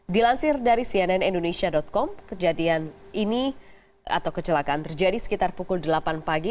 dilansir dari cnn indonesia com kejadian ini atau kecelakaan terjadi sekitar pukul delapan pagi